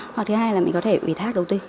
hoặc thứ hai là mình có thể ủy thác đầu tư